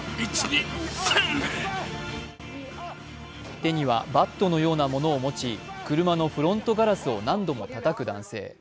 手にはバットのようなものを持ち車のフロントガラスを何度もたたく男性。